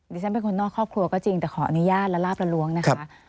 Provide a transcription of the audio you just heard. ดิฉันเป็นคนนอกครอบครัวก็จริงแต่ขออนุญาตละลาบละล้วงนะคะ